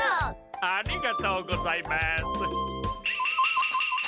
ありがとうございます。